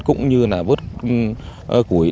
cũng như vớt củi